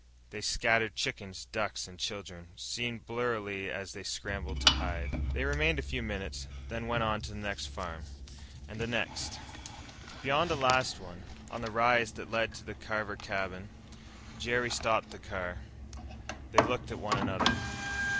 They scattered chickens, ducks, and children seen blurrily as they scrambled to hide. They remained a few minutes, ostensibly visiting, then went on to the next farm, and the next.... Beyond the last one, on the rise that led to the Carver cabin, Jerry stopped the car. They looked at one another.